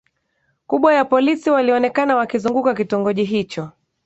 kubwa ya polisi walionekana wakizunguka kitongoji hicho